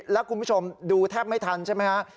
แล้วคุณผู้ชมดูแทบไม่ทันใช่ไหมฮะ